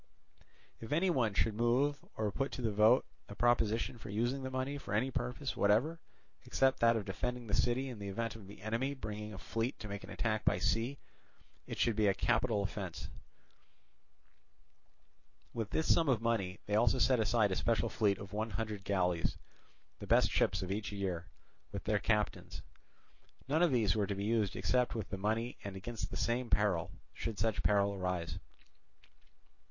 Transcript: If any one should move or put to the vote a proposition for using the money for any purpose whatever except that of defending the city in the event of the enemy bringing a fleet to make an attack by sea, it should be a capital offence. With this sum of money they also set aside a special fleet of one hundred galleys, the best ships of each year, with their captains. None of these were to be used except with the money and against the same peril, should such peril arise.